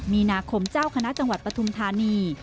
มีนาคมเจ้าคณะจังหวัดปฐุมธานี